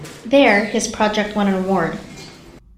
There his project won an award.